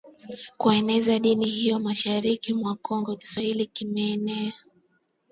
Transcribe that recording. kueneza dini hiyo Mashariki mwa Kongo Kiswahili kimeenea